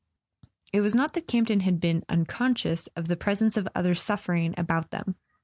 It was not that Campton had been unconscious of the presence of other suffering about them.